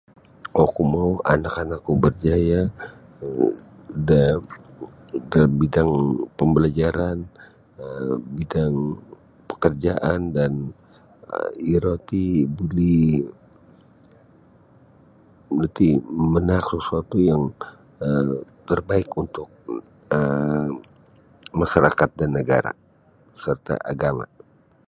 Oku mau anak-anaku berjaya da bidang pembelajaran bidang pekerjaan dan iro ti buli nu iti manaak da sesuatu yang terbaik untuk masarakat dan negara serta agama.